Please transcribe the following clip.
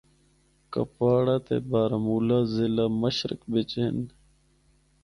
کپواڑا تے بارہمولہ ضلع مشرق بچ ہن۔